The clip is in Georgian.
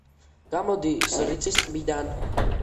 გამოდის რიწის ტბიდან.